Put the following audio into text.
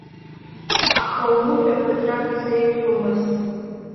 Аха аууҳәа ԥыҭрак изеиқәтәомызт.